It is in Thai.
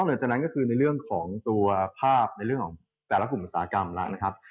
หลังจากนั้นก็คือในเรื่องของตัวภาพในเรื่องของแต่ละกลุ่มอุตสาหกรรมแล้วนะครับ